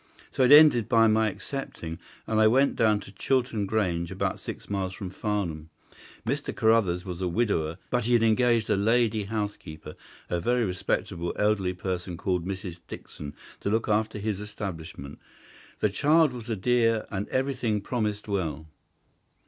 So it ended by my accepting, and I went down to Chiltern Grange, about six miles from Farnham. Mr. Carruthers was a widower, but he had engaged a lady housekeeper, a very respectable, elderly person, called Mrs. Dixon, to look after his establishment. The child was a dear, and everything promised well.